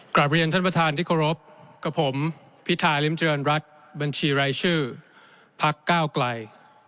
กลับเรียนท่านประธานที่เคารพกับผมพิธาริมเจริญรัฐบัญชีรายชื่อพักก้าวไกล